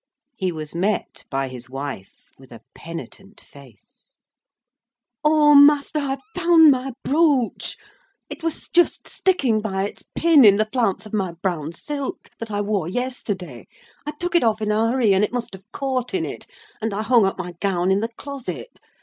He was met by his wife with a penitent face: "O master, I've found my brooch! It was just sticking by its pin in the flounce of my brown silk, that I wore yesterday. I took it off in a hurry, and it must have caught in it; and I hung up my gown in the closet.